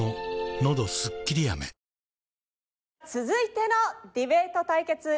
続いてのディベート対決